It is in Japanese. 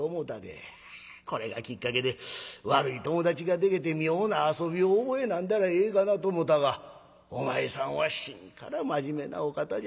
あこれがきっかけで悪い友達がでけて妙な遊びを覚えなんだらええがなと思たがお前さんは心から真面目なお方じゃ。